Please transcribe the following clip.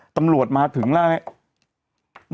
ตำรวจมาถึงแล้ว